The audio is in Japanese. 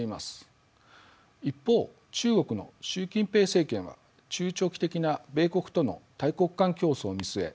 一方中国の習近平政権は中長期的な米国との大国間競争を見据え